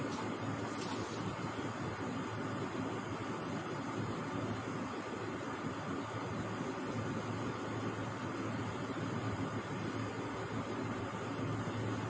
สวัสดีครับ